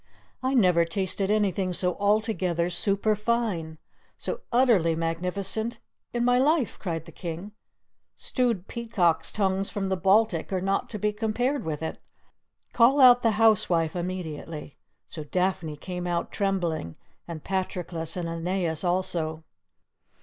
"I never tasted anything so altogether super fine, so utterly magnificent in my life," cried the King; "stewed peacocks' tongues from the Baltic are not to be compared with it! Call out the housewife immediately!" So Daphne came out trembling, and Patroclus and Aeneas also.